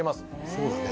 そうだね。